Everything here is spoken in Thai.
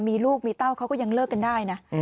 มีลูกมีเต้าเขาก็ยังเลิกกันได้นะ